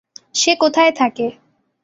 সে কোথায় থাকে?